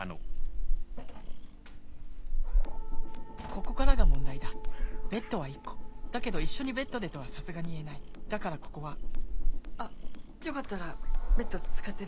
ここからが問題だベッドは１個だけど「一緒にベッドで」とはさすがに言えないだからここはあよかったらベッド使ってね。